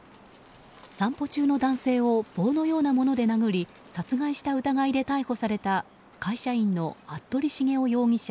散歩中の男性を棒のようなもので殴り殺害した疑いで逮捕された会社員の服部繁雄容疑者